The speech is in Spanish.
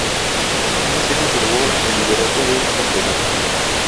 Aun así conservó el liderato del campeonato.